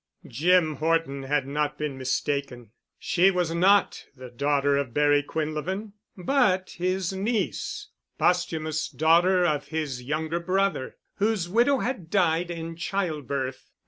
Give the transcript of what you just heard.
Jim Horton had not been mistaken. She was not the daughter of Barry Quinlevin, but his niece, posthumous daughter of his younger brother, whose widow had died in childbirth.